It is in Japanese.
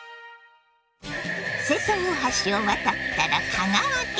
瀬戸大橋を渡ったら香川県。